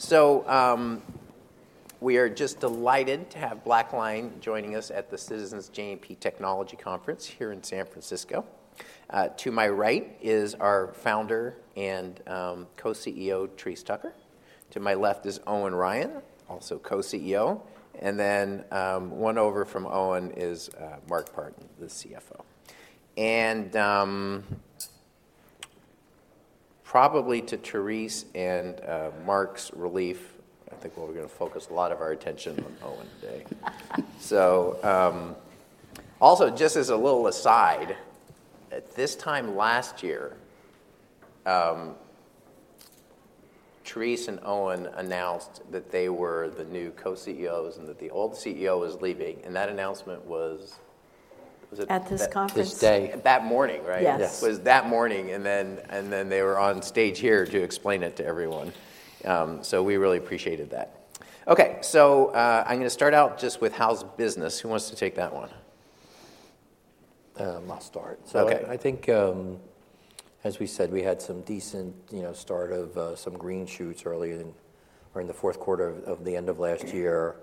So, we are just delighted to have BlackLine joining us at the Citizens JMP Technology Conference here in San Francisco. To my right is our founder and Co-CEO Therese Tucker. To my left is Owen Ryan, also Co-CEO. And then, one over from Owen is Mark Partin, the CFO. And, probably to Therese and Mark's relief, I think we're gonna focus a lot of our attention on Owen today. So, also just as a little aside, at this time last year, Therese and Owen announced that they were the new Co-CEOs and that the old CEO was leaving. And that announcement was, was it? At this conference? At this day. That morning, right? Yes. It was that morning. And then they were on stage here to explain it to everyone. So we really appreciated that. Okay. So, I'm gonna start out just with how's business. Who wants to take that one? I'll start. Okay. So, I think, as we said, we had some decent, you know, start of, some green shoots earlier in or in the fourth quarter of, of the end of last year,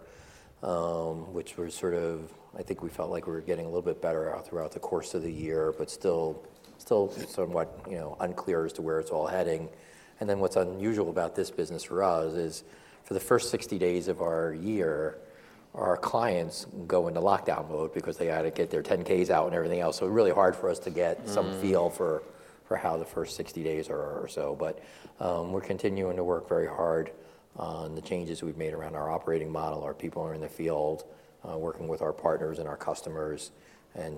which was sort of I think we felt like we were getting a little bit better out throughout the course of the year but still, still somewhat, you know, unclear as to where it's all heading. And then what's unusual about this business for us is for the first 60 days of our year, our clients go into lockdown mode because they gotta get their 10-Ks out and everything else. So it was really hard for us to get some feel for, for how the first 60 days are or so. But, we're continuing to work very hard on the changes we've made around our operating model. Our people are in the field, working with our partners and our customers.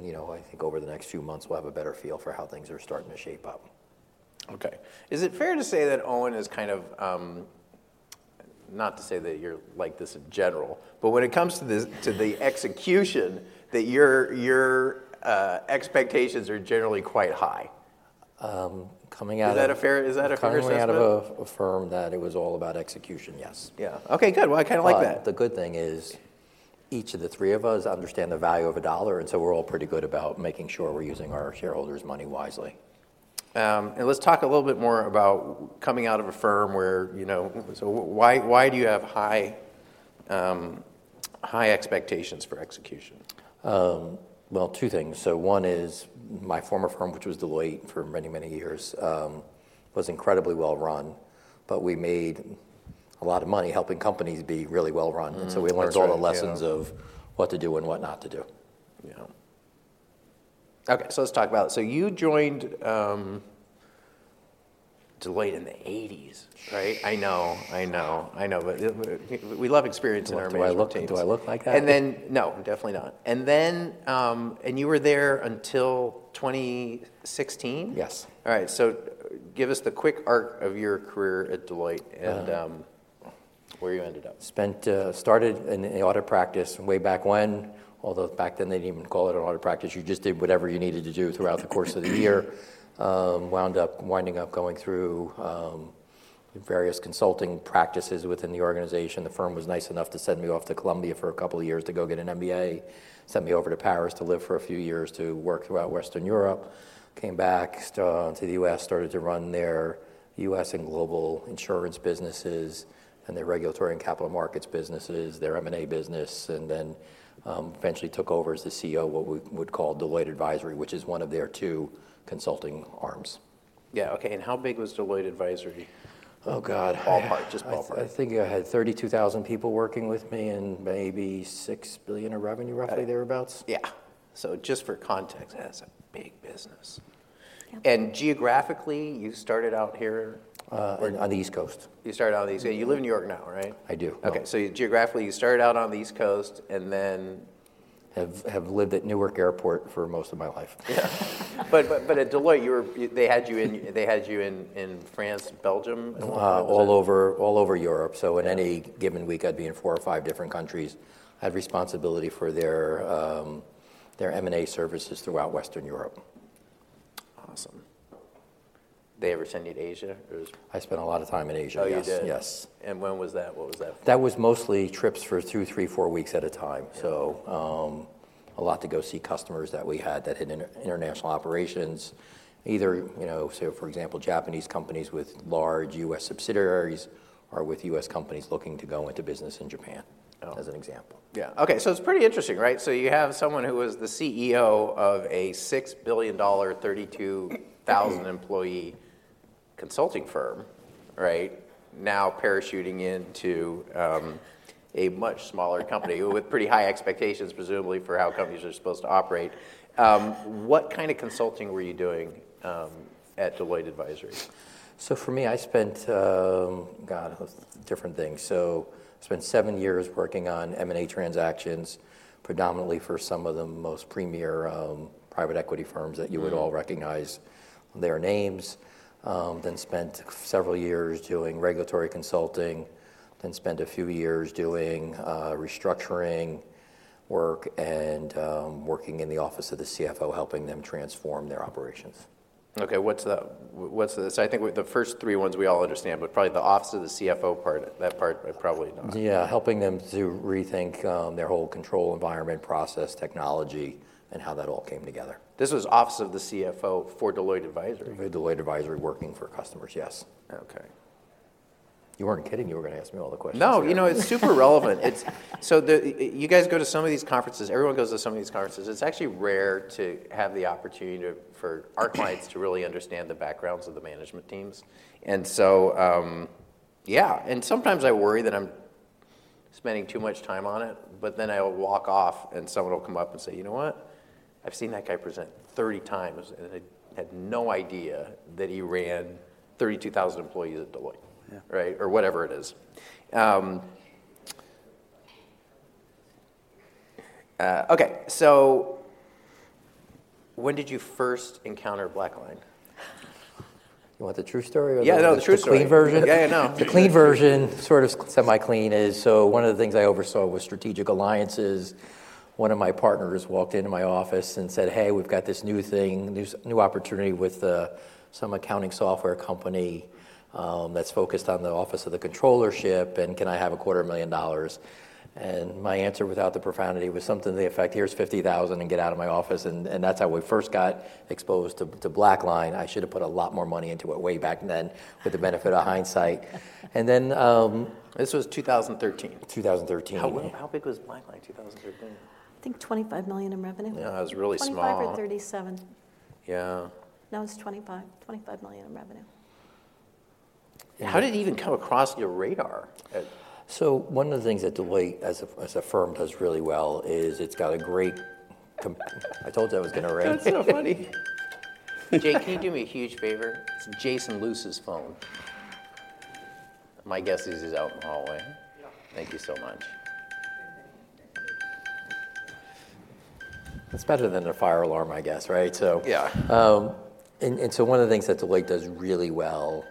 You know, I think over the next few months, we'll have a better feel for how things are starting to shape up. Okay. Is it fair to say that Owen is kind of, not to say that you're like this in general, but when it comes to this, to the execution, that your expectations are generally quite high? coming out of. Is that a fair assessment? Coming out of a firm that it was all about execution, yes. Yeah. Okay. Good. Well, I kinda like that. Well, the good thing is each of the three of us understand the value of a dollar. And so we're all pretty good about making sure we're using our shareholders' money wisely. Let's talk a little bit more about coming out of a firm where, you know, so why, why do you have high, high expectations for execution? Well, two things. So one is my former firm, which was Deloitte for many, many years, was incredibly well run. But we made a lot of money helping companies be really well run. And so we learned. That's fair. All the lessons of what to do and what not to do. Yeah. Okay. So let's talk about so you joined Deloitte in the 1980s, right? I know. I know. I know. But we love experience in our mid-1980s. Do I look do I look like that? No, definitely not. And then you were there until 2016? Yes. All right. So give us the quick arc of your career at Deloitte and where you ended up. Started in an audit practice way back when, although back then they didn't even call it an audit practice. You just did whatever you needed to do throughout the course of the year. Wound up going through various consulting practices within the organization. The firm was nice enough to send me off to Columbia for a couple of years to go get an MBA, sent me over to Paris to live for a few years to work throughout Western Europe, came back to the U.S., started to run their U.S. and global insurance businesses and their regulatory and capital markets businesses, their M&A business, and then eventually took over as the CEO of what we would call Deloitte Advisory, which is one of their two consulting arms. Yeah. Okay. And how big was Deloitte Advisory? Oh, God. Ballpark. Just ballpark. I think I had 32,000 people working with me and maybe $6 billion of revenue roughly thereabouts. Okay. Yeah. So just for context, that's a big business. Yeah. Geographically, you started out here. on the East Coast. You started out on the East Coast. You live in New York now, right? I do. Okay. Geographically, you started out on the East Coast and then. Have lived at Newark Airport for most of my life. Yeah. But at Deloitte, they had you in France, Belgium, and whatnot. All over all over Europe. So in any given week, I'd be in four or five different countries. I had responsibility for their, their M&A services throughout Western Europe. Awesome. Did they ever send you to Asia? It was. I spent a lot of time in Asia, yes. Oh, you did? Yes. And when was that? What was that for? That was mostly trips for two, three, four weeks at a time. So, a lot to go see customers that we had that had international operations. Either, you know, say, for example, Japanese companies with large U.S. subsidiaries or with U.S. companies looking to go into business in Japan. Oh. As an example. Yeah. Okay. So it's pretty interesting, right? So you have someone who was the CEO of a $6 billion, 32,000-employee consulting firm, right, now parachuting into a much smaller company with pretty high expectations, presumably, for how companies are supposed to operate. What kind of consulting were you doing at Deloitte Advisory? So for me, I spent, God, it was different things. So I spent seven years working on M&A transactions, predominantly for some of the most premier private equity firms that you would all recognize their names, then spent several years doing regulatory consulting, then spent a few years doing restructuring work and working in the office of the CFO helping them transform their operations. Okay. So I think the first three ones, we all understand, but probably the Office of the CFO part, that part, I probably not. Yeah. Helping them to rethink their whole control environment, process, technology, and how that all came together. This was office of the CFO for Deloitte Advisory? At Deloitte Advisory working for customers, yes. Okay. You weren't kidding. You were gonna ask me all the questions. No. You know, it's super relevant. It's so the you guys go to some of these conferences. Everyone goes to some of these conferences. It's actually rare to have the opportunity to our clients to really understand the backgrounds of the management teams. So, yeah. Sometimes I worry that I'm spending too much time on it. But then I'll walk off and someone'll come up and say, "You know what? I've seen that guy present 30 times and I had no idea that he ran 32,000 employees at Deloitte. Yeah. Right? Or whatever it is. Okay. So when did you first encounter BlackLine? You want the true story or the? Yeah. No, the true story. Clean version? Yeah. Yeah. No. The clean version, sort of semi-clean, is so one of the things I oversaw was strategic alliances. One of my partners walked into my office and said, "Hey, we've got this new thing, new opportunity with some accounting software company that's focused on the office of the controllership. And can I have $250,000?" And my answer, without the profanity, was something to the effect, "Here's $50,000 and get out of my office." And that's how we first got exposed to BlackLine. I should have put a lot more money into it way back then with the benefit of hindsight. And then, this was 2013. 2013. How big was BlackLine 2013? I think $25 million in revenue. Yeah. It was really small. 25 or 37. Yeah. No, it was 25. $25 million in revenue. How did it even come across your radar at? One of the things that Deloitte, as a firm, does really well is it's got a great com. I told you I was gonna write. That's so funny. Jay, can you do me a huge favor? It's Jason Luce's phone. My guess is he's out in the hallway. Yeah. Thank you so much. That's better than the fire alarm, I guess, right? So. Yeah. And so one of the things that Deloitte does really well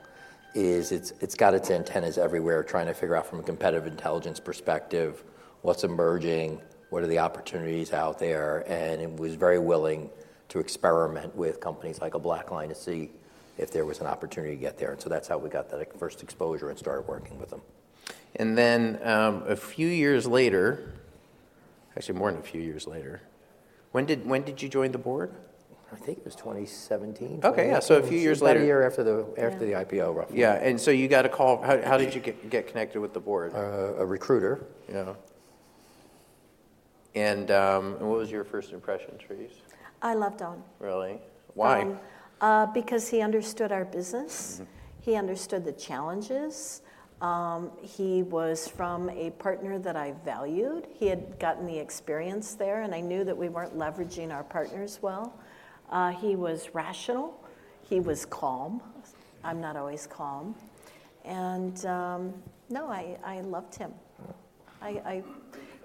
is it's got its antennas everywhere trying to figure out from a competitive intelligence perspective what's emerging, what are the opportunities out there. And it was very willing to experiment with companies like BlackLine to see if there was an opportunity to get there. And so that's how we got that first exposure and started working with them. And then, a few years later actually, more than a few years later. When did you join the board? I think it was 2017. Okay. Yeah. So a few years later. So it was about a year after the IPO, roughly. Yeah. So you got a call. How did you get connected with the board? a recruiter. Yeah. And what was your first impression, Therese? I loved Owen. Really? Why? because he understood our business. Mm-hmm. He understood the challenges. He was from a partner that I valued. He had gotten the experience there. And I knew that we weren't leveraging our partners well. He was rational. He was calm. I'm not always calm. And, no, I, I loved him. I, I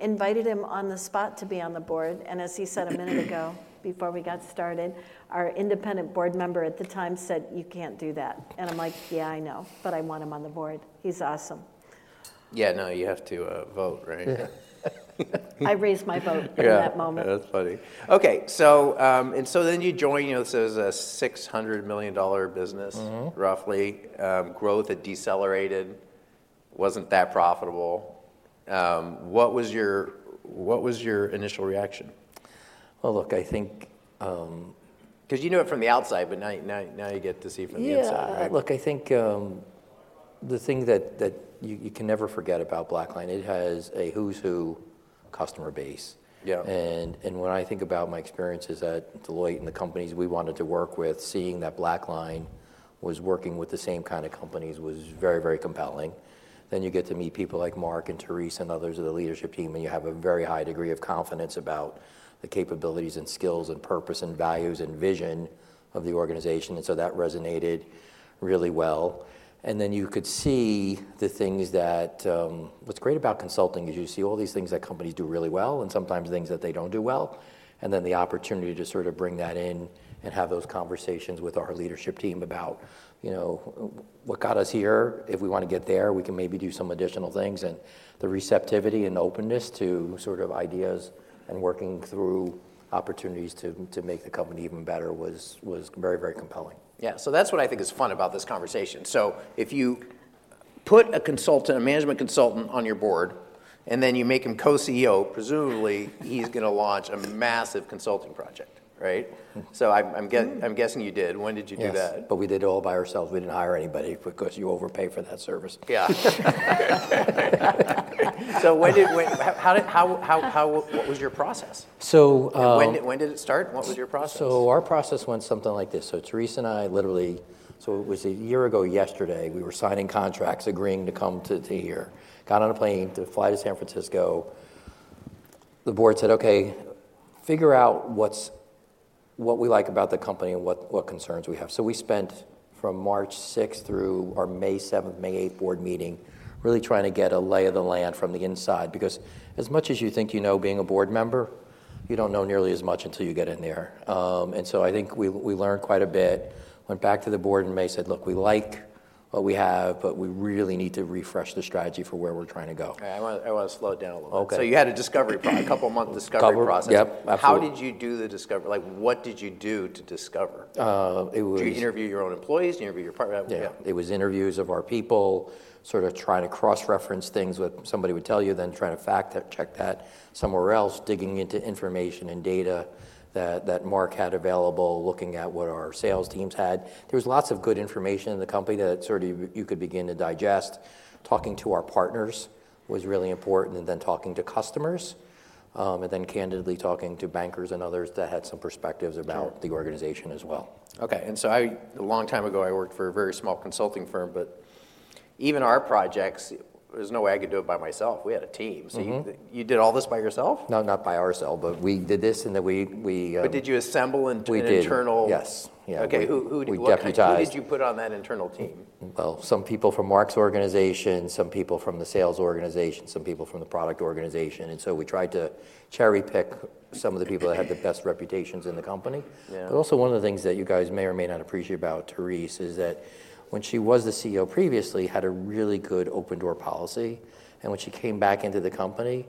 invited him on the spot to be on the board. And as he said a minute ago, before we got started, our independent board member at the time said, "You can't do that." And I'm like, "Yeah, I know. But I want him on the board. He's awesome. Yeah. No, you have to vote, right? Yeah. I raised my vote in that moment. Yeah. That's funny. Okay. So, and so then you joined. You know, this is a $600 million business. Mm-hmm. Roughly, growth had decelerated. Wasn't that profitable? What was your initial reaction? Well, look, I think, 'cause you knew it from the outside. But now you get to see from the inside, right? Yeah. Look, I think, the thing that you can never forget about BlackLine, it has a who's who customer base. Yeah. And when I think about my experiences at Deloitte and the companies we wanted to work with, seeing that BlackLine was working with the same kind of companies was very, very compelling. Then you get to meet people like Mark and Therese and others of the leadership team. And you have a very high degree of confidence about the capabilities and skills and purpose and values and vision of the organization. And so that resonated really well. And then you could see the things that, what's great about consulting is you see all these things that companies do really well and sometimes things that they don't do well and then the opportunity to sort of bring that in and have those conversations with our leadership team about, you know, what got us here. If we wanna get there, we can maybe do some additional things. And the receptivity and openness to sort of ideas and working through opportunities to make the company even better was very, very compelling. Yeah. So that's what I think is fun about this conversation. So if you put a consultant, a management consultant, on your board and then you make him co-CEO, presumably, he's gonna launch a massive consulting project, right? So I'm guessing you did. When did you do that? Yes. But we did it all by ourselves. We didn't hire anybody because you overpay for that service. Yeah. So, when did, how, what was your process? So, When did it start? What was your process? So our process went something like this. So Therese and I, literally so it was a year ago, yesterday. We were signing contracts, agreeing to come to, to here. Got on a plane to fly to San Francisco. The board said, "Okay. Figure out what's what we like about the company and what, what concerns we have." So we spent from March 6th through our May 7th, May 8th board meeting really trying to get a lay of the land from the inside. Because as much as you think you know being a board member, you don't know nearly as much until you get in there. And so I think we, we learned quite a bit. Went back to the board in May, said, "Look, we like what we have. But we really need to refresh the strategy for where we're trying to go. All right. I wanna slow it down a little bit. Okay. So you had a discovery a couple-month discovery process. Couple. Yep. Absolutely. How did you do the discovery? Like, what did you do to discover? it was. Did you interview your own employees? Did you interview your partner? Yeah. Yeah. It was interviews of our people, sort of trying to cross-reference things with somebody would tell you, then trying to fact-check that somewhere else, digging into information and data that Mark had available, looking at what our sales teams had. There was lots of good information in the company that sort of you could begin to digest. Talking to our partners was really important and then talking to customers, and then candidly talking to bankers and others that had some perspectives about the organization as well. Okay. And so, a long time ago, I worked for a very small consulting firm. But even our projects, there's no way I could do it by myself. We had a team. Mm-hmm. So you, you did all this by yourself? No, not by ourselves. But we did this in that we, But did you assemble into an internal? We did. Yes. Yeah. Okay. Who did you work on? We deputized. Who did you put on that internal team? Well, some people from Mark's organization, some people from the sales organization, some people from the product organization. And so we tried to cherry-pick some of the people that had the best reputations in the company. Yeah. But also one of the things that you guys may or may not appreciate about Therese is that when she was the CEO previously, had a really good open-door policy. And when she came back into the company,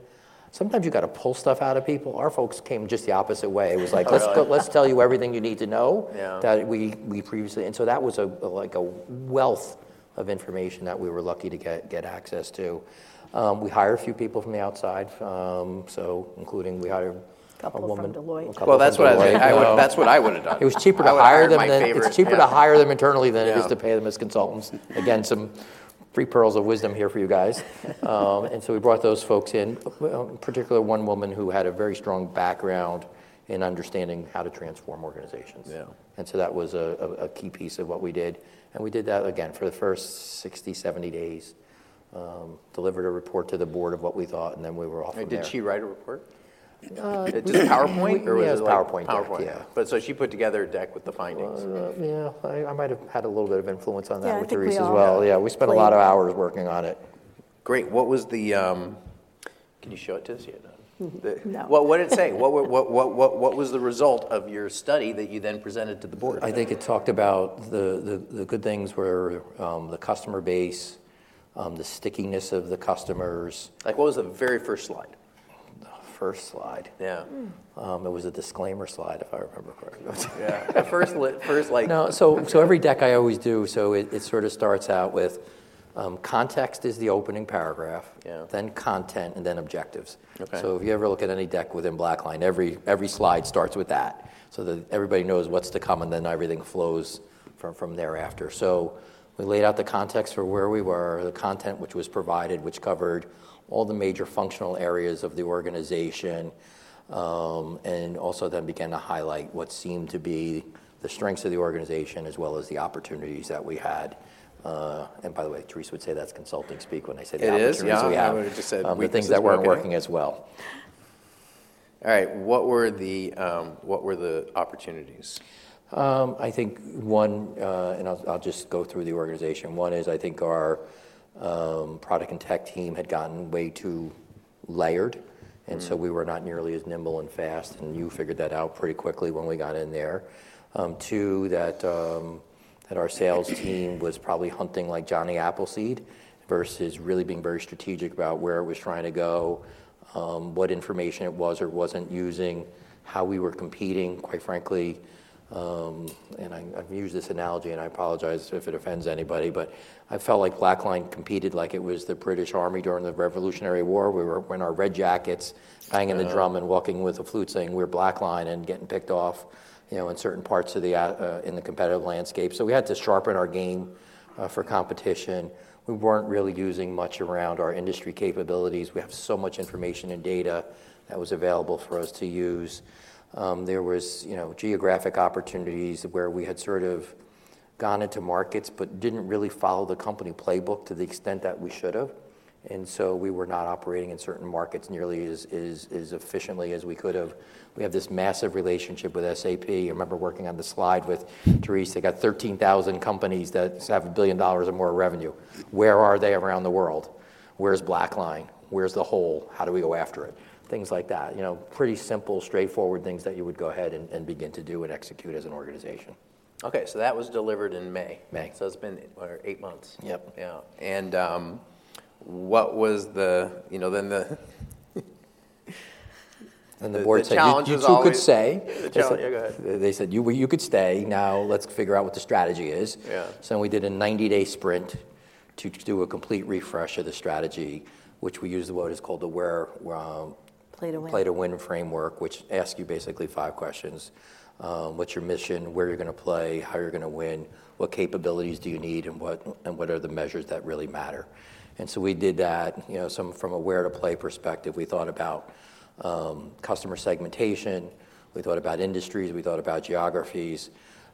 sometimes you gotta pull stuff out of people. Our folks came just the opposite way. It was like. Oh, okay. Let's go let's tell you everything you need to know. Yeah. That we previously and so that was a like a wealth of information that we were lucky to get access to. We hired a few people from the outside, so including we hired a woman. Couple of us from Deloitte. Well, that's what I would have done. It was cheaper to hire them than. I would have paid for it. It's cheaper to hire them internally than it is to pay them as consultants. Again, some free pearls of wisdom here for you guys. So we brought those folks in, particularly one woman who had a very strong background in understanding how to transform organizations. Yeah. And so that was a key piece of what we did. And we did that, again, for the first 60-70 days, delivered a report to the board of what we thought. And then we were off from there. Did she write a report? Just PowerPoint or was it PowerPoint? PowerPoint. Yeah. She put together a deck with the findings. Yeah. I might have had a little bit of influence on that with Therese as well. Yeah. Yeah. We spent a lot of hours working on it. Great. What was the, can you show it to us? You're done. No. What did it say? What was the result of your study that you then presented to the board? I think it talked about the good things were, the customer base, the stickiness of the customers. Like, what was the very first slide? The first slide? Yeah. It was a disclaimer slide, if I remember correctly. Yeah. The first, like. No. So every deck I always do, so it sort of starts out with, context is the opening paragraph. Yeah. Then content, and then objectives. Okay. So if you ever look at any deck within BlackLine, every, every slide starts with that so that everybody knows what's to come. And then everything flows from, from thereafter. So we laid out the context for where we were, the content which was provided, which covered all the major functional areas of the organization, and also then began to highlight what seemed to be the strengths of the organization as well as the opportunities that we had. And by the way, Therese would say that's consulting-speak when I say the opportunities we have. Yeah. Yeah. I would have just said we could. the things that weren't working as well. All right. What were the opportunities? I think one, and I'll, I'll just go through the organization. One is I think our, product and tech team had gotten way too layered. Mm-hmm. So we were not nearly as nimble and fast. You figured that out pretty quickly when we got in there. two, that, that our sales team was probably hunting like Johnny Appleseed versus really being very strategic about where it was trying to go, what information it was or wasn't using, how we were competing, quite frankly. And I, I've used this analogy. And I apologize if it offends anybody. But I felt like BlackLine competed like it was the British Army during the Revolutionary War. We were wearing our red jackets, banging the drum. Yeah. Walking with a flute saying, "We're BlackLine," and getting picked off, you know, in certain parts of the area in the competitive landscape. So we had to sharpen our game for competition. We weren't really using much around our industry capabilities. We have so much information and data that was available for us to use. There was, you know, geographic opportunities where we had sort of gone into markets but didn't really follow the company playbook to the extent that we should have. And so we were not operating in certain markets nearly as efficiently as we could have. We have this massive relationship with SAP. I remember working on the slide with Therese. They got 13,000 companies that have $1 billion or more of revenue. Where are they around the world? Where's BlackLine? Where's the whole? How do we go after it? Things like that. You know, pretty simple, straightforward things that you would go ahead and begin to do and execute as an organization. Okay. So that was delivered in May. May. It's been eight months. Yep. Yeah. And what was the, you know, then the. Then the board said you, you two could stay. The challenge yeah, go ahead. They said, "You could stay. Now, let's figure out what the strategy is. Yeah. We did a 90-day sprint to do a complete refresh of the strategy, which we use the word is called the where. Play to Win. Play to Win framework, which asks you basically five questions. What's your mission? Where are you gonna play? How are you gonna win? What capabilities do you need? And what and what are the measures that really matter? And so we did that. You know, some from a where-to-play perspective, we thought about, customer segmentation. We thought about industries. We thought about geographies.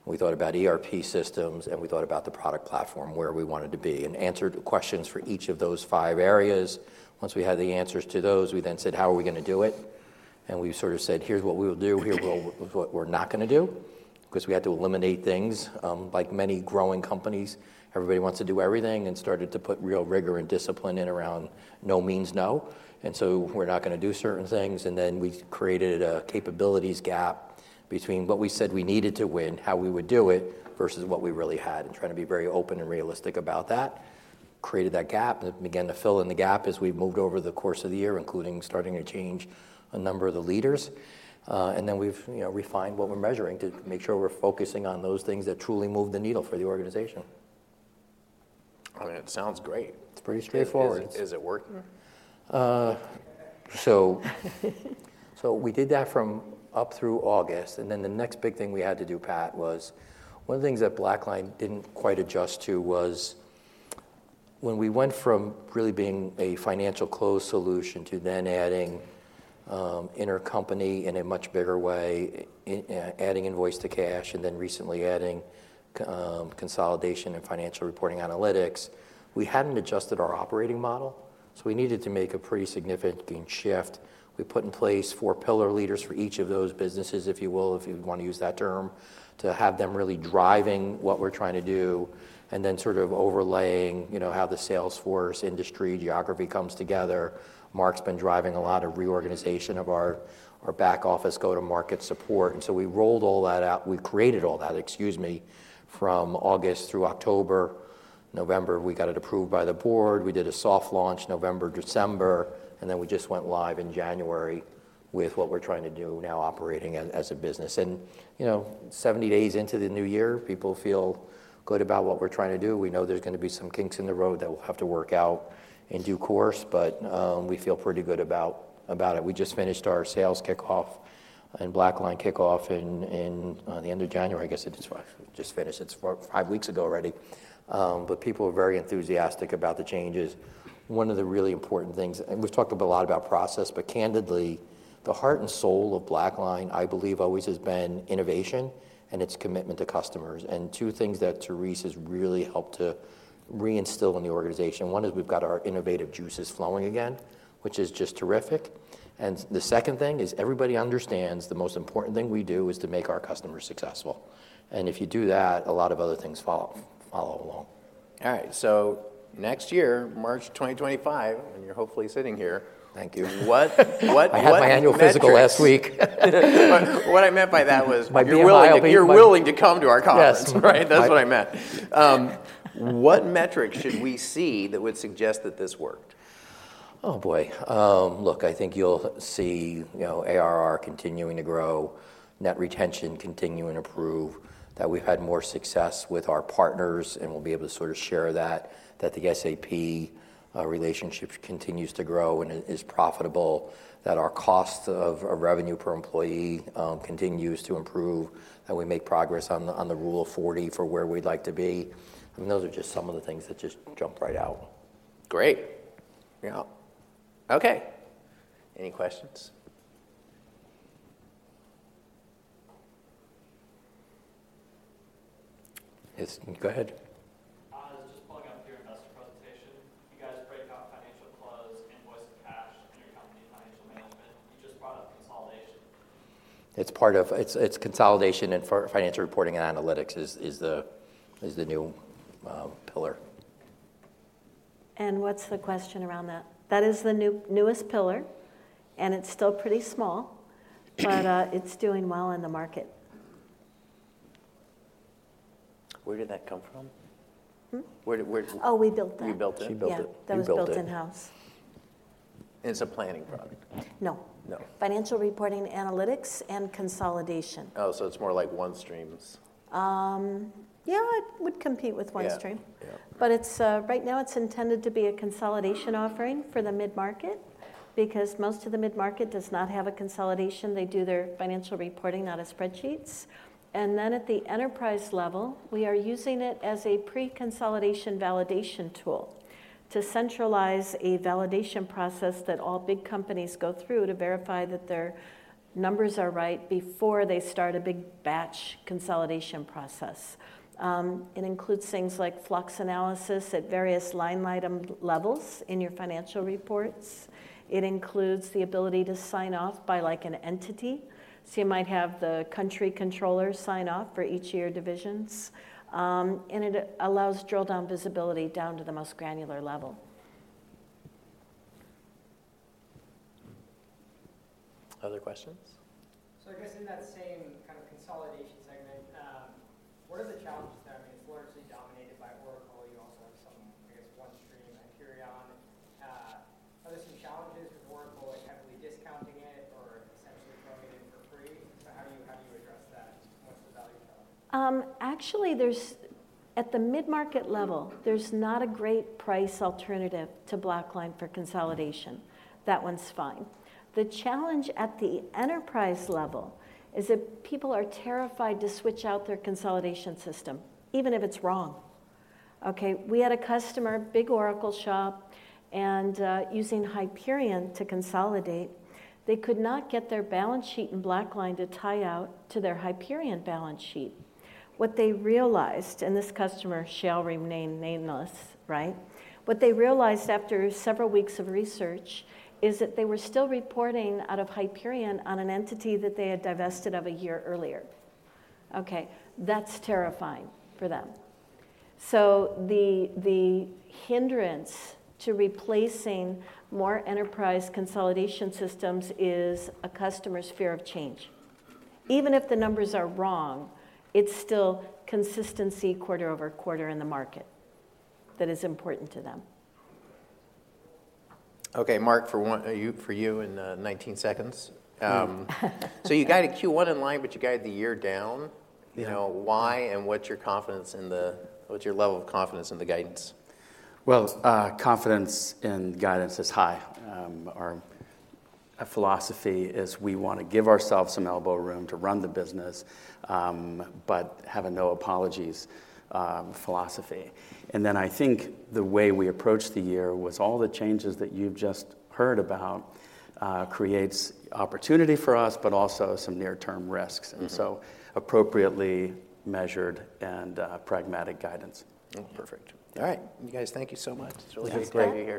We thought about ERP systems. And we thought about the product platform, where we wanted to be, and answered questions for each of those five areas. Once we had the answers to those, we then said, "How are we gonna do it?" And we sort of said, "Here's what we will do. Here's what we're not gonna do." 'Cause we had to eliminate things. Like many growing companies, everybody wants to do everything and started to put real rigor and discipline in around no means no. So we're not gonna do certain things. Then we created a capabilities gap between what we said we needed to win, how we would do it, versus what we really had, and trying to be very open and realistic about that. Created that gap and began to fill in the gap as we moved over the course of the year, including starting to change a number of the leaders. And then we've, you know, refined what we're measuring to make sure we're focusing on those things that truly move the needle for the organization. I mean, it sounds great. It's pretty straightforward. Is it working? So, we did that from up through August. And then the next big thing we had to do, Pat, was one of the things that BlackLine didn't quite adjust to was when we went from really being a Financial Close solution to then adding Intercompany in a much bigger way, adding Invoice-to-Cash and then recently adding Consolidation and Financial Reporting and Analytics; we hadn't adjusted our operating model. So we needed to make a pretty significant shift. We put in place four pillar leaders for each of those businesses, if you will, if you wanna use that term, to have them really driving what we're trying to do and then sort of overlaying, you know, how the salesforce industry geography comes together. Mark's been driving a lot of reorganization of our back office, go-to-market support. And so we rolled all that out. We created all that, excuse me, from August through October. November, we got it approved by the board. We did a soft launch, November, December. And then we just went live in January with what we're trying to do now operating as, as a business. And, you know, 70 days into the new year, people feel good about what we're trying to do. We know there's gonna be some kinks in the road that will have to work out in due course. But, we feel pretty good about, about it. We just finished our sales kickoff and BlackLine kickoff in, in, the end of January, I guess it is. We just finished. It's 5 weeks ago already. But people are very enthusiastic about the changes. One of the really important things and we've talked a lot about process. But candidly, the heart and soul of BlackLine, I believe, always has been innovation and its commitment to customers. And two things that Therese has really helped to reinstill in the organization. One is we've got our innovative juices flowing again, which is just terrific. And the second thing is everybody understands the most important thing we do is to make our customers successful. And if you do that, a lot of other things follow, follow along. All right. Next year, March 2025, when you're hopefully sitting here. Thank you. What, what, what. I had my annual physical last week. What I meant by that was. My bill. You're willing to come to our conference. Yes. Right? That's what I meant. What metrics should we see that would suggest that this worked? Oh, boy. Look, I think you'll see, you know, ARR continuing to grow, net retention continuing to improve, that we've had more success with our partners. We'll be able to sort of share that, that the SAP relationship continues to grow and is profitable, that our cost of, of revenue per employee continues to improve, that we make progress on the on the Rule of 40 for where we'd like to be. I mean, those are just some of the things that just jump right out. Great. Yeah. Okay. Any questions? It's go ahead. Just pulling up your investor presentation. You guys break out Financial Close, invoice-to-cash, Intercompany financial management. You just brought up consolidation. It's part of its Consolidation and Financial Reporting and Analytics is the new pillar. What's the question around that? That is the new-newest pillar. It's still pretty small. It's doing well in the market. Where did that come from? Where did where. Oh, we built that. We built it. She built it. Yeah. That was built in-house. It's a planning product? No. No. Financial reporting, analytics, and consolidation. Oh, so it's more like OneStream's. Yeah. It would compete with OneStream. Yeah. Yeah. But it's, right now, it's intended to be a consolidation offering for the mid-market because most of the mid-market does not have a consolidation. They do their financial reporting, not as spreadsheets. And then at the enterprise level, we are using it as a pre-consolidation validation tool to centralize a validation process that all big companies go through to verify that their numbers are right before they start a big batch consolidation process. It includes things like flux analysis at various line item levels in your financial reports. It includes the ability to sign off by, like, an entity. So you might have the country controller sign off for each of your divisions. And it allows drill-down visibility down to the most granular level. Other questions? So I guess in that same kind of consolidation segment, what are the challenges there? I mean, it's largely dominated by Oracle. You also have some, I guess, OneStream, Hyperion. Are there some challenges with Oracle, like heavily discounting it or essentially throwing it in for free? So how do you how do you address that? What's the value challenge? Actually, there's at the mid-market level, there's not a great price alternative to BlackLine for consolidation. That one's fine. The challenge at the enterprise level is that people are terrified to switch out their consolidation system, even if it's wrong. Okay? We had a customer, big Oracle shop. And using Hyperion to consolidate, they could not get their balance sheet in BlackLine to tie out to their Hyperion balance sheet. What they realized and this customer shall remain nameless, right? What they realized after several weeks of research is that they were still reporting out of Hyperion on an entity that they had divested of a year earlier. Okay? That's terrifying for them. So the hindrance to replacing more enterprise consolidation systems is a customer's fear of change. Even if the numbers are wrong, it's still consistency quarter-over-quarter in the market that is important to them. Okay. Mark, for one, you have 19 seconds. So you guided Q1 in line, but you guided the year down. Yeah. You know, why and what's your level of confidence in the guidance? Well, confidence in guidance is high. Our philosophy is we wanna give ourselves some elbow room to run the business, but have a no apologies, philosophy. And then I think the way we approached the year was all the changes that you've just heard about, creates opportunity for us but also some near-term risks. Mm-hmm. Appropriately measured and pragmatic guidance. Oh, perfect. All right. You guys, thank you so much. It's really great to hear you.